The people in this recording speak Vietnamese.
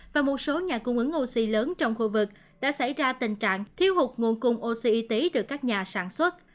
và một số nhà cung ứng oxy lớn trong khu vực đã xảy ra tình trạng thiếu hụt nguồn cung oxy y tế từ các nhà sản xuất